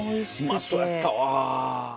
うまそうやったわ。